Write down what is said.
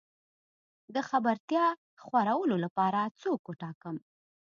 د خبرتيا خورولو لپاره څوک وټاکم؟